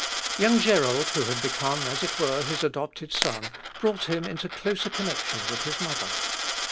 Young Gerold, who had become as it were his adopted son, brought him into closer connection with his mother.